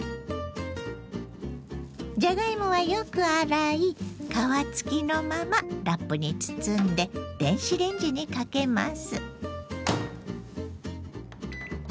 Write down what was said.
じゃがいもはよく洗い皮付きのままラップに包んで電子レンジにかけます。